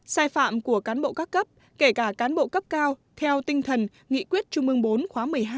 sai phạm của cán bộ các cấp kể cả cán bộ cấp cao theo tinh thần nghị quyết trung ương bốn khóa một mươi hai